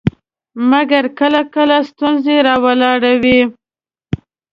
مګر کله کله ستونزې راولاړوي.